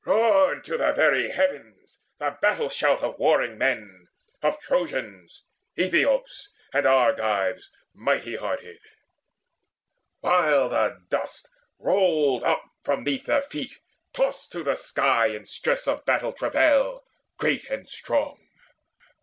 Roared to the very heavens the battle shout Of warring men, of Trojans, Aethiops, And Argives mighty hearted, while the dust Rolled up from 'neath their feet, tossed to the sky In stress of battle travail great and strong.